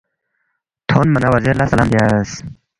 تھونما نہ وزیر لہ سلام بیاس